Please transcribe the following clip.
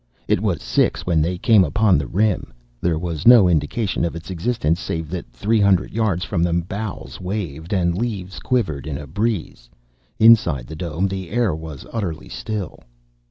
It was six when they came upon the rim. There was no indication of its existence save that three hundred yards from them boughs waved and leaves quivered in a breeze. Inside the dome the air was utterly still.